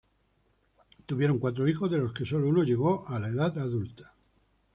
Tuvieron cuatro hijos, de los que solo uno llegó a la edad adulta.